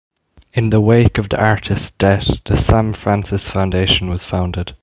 In the wake of the artist's death, the Sam Francis Foundation was founded.